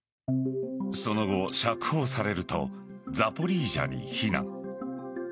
その後、釈放されるとザポリージャに避難。